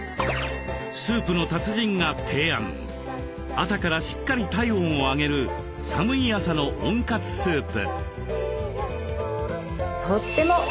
朝からしっかり体温を上げる寒い朝の温活スープ。